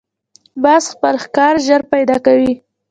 باز خپل ښکار ژر پیدا کوي